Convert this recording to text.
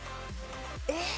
えっ。